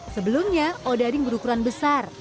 sebelumnya odading berukuran besar